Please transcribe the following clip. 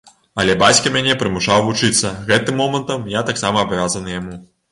Але бацька мяне прымушаў вучыцца, гэтым момантам я таксама абавязаны яму.